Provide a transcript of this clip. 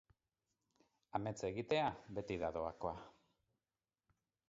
Amets egitea beti da doakoa.